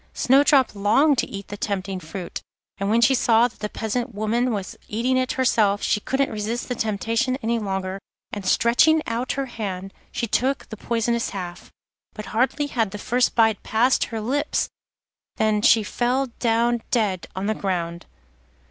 Snowdrop longed to eat the tempting fruit, and when she saw that the peasant woman was eating it herself, she couldn't resist the temptation any longer, and stretching out her hand she took the poisonous half. But hardly had the first bite passed her lips than she fell down dead on the ground.